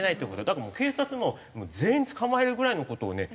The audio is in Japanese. だからもう警察も全員捕まえるぐらいの事をね